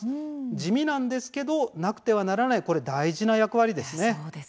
地味なんですがなくてはならない大事な役割です。